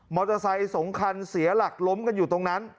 ไซค์๒คันเสียหลักล้มกันอยู่ตรงนั้น